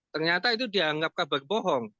ternyata itu dianggap kabar bohong